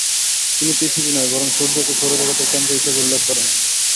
তিনি পৃথিবী নয় বরং সূর্যকে সৌরজগতের কেন্দ্র হিসাবে উল্লেখ করেন।